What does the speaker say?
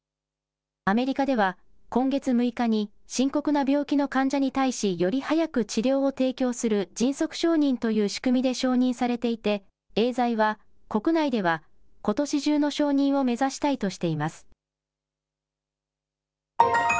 アメリカでは今月６日に深刻な病気の患者に対しより早く治療を提供する迅速承認という仕組みで承認されていてエーザイは国内ではことし中の承認を目指したいとしています。